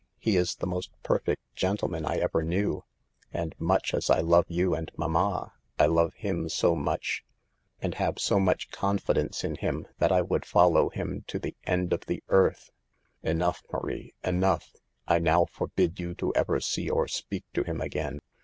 He is the most perfect gentleman I ever knew, and much as I love you and mamma, I love him so much, and have so much confi dence in him, that I would follow him to the end of the earth." "Enough, Marie, enough. I now forbid you to ever see or speak to him again.